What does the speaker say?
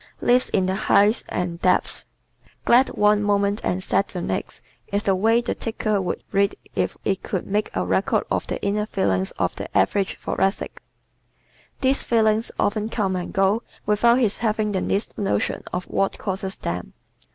Lives in the Heights and Depths ¶ "Glad one moment and sad the next" is the way the ticker would read if it could make a record of the inner feelings of the average Thoracic. These feelings often come and go without his having the least notion of what causes them.